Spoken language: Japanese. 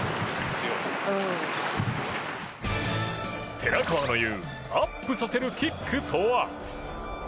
寺川の言うアップさせるキックとは。